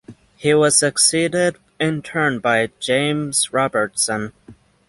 He was succeeded in turn by James Robertson.